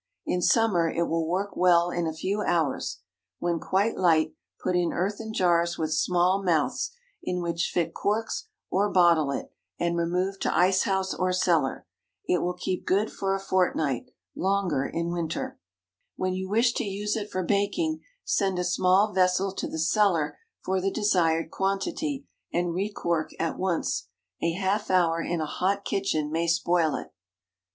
In summer it will work well in a few hours. When quite light, put in earthen jars with small mouths, in which fit corks, or bottle it, and remove to ice house or cellar. It will keep good for a fortnight—longer in winter. When you wish to use it for baking, send a small vessel to the cellar for the desired quantity, and re cork at once. A half hour in a hot kitchen may spoil it.